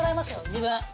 自分。